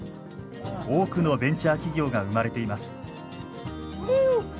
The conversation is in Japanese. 多くのベンチャー企業が生まれています。